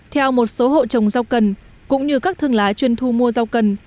theo một số hộ trồng rau cần cũng như các thương lái chuyên thu mua rau cần